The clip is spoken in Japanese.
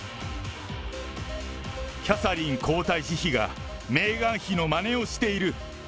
キャサリン皇太子妃がメーガン妃のまねをしている。